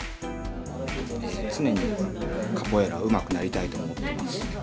常にカポエイラうまくなりたいと思っています。